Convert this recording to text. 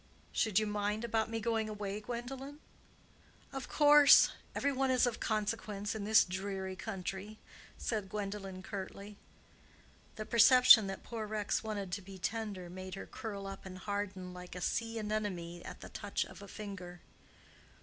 "Should you mind about me going away, Gwendolen?" "Of course. Every one is of consequence in this dreary country," said Gwendolen, curtly. The perception that poor Rex wanted to be tender made her curl up and harden like a sea anemone at the touch of a finger.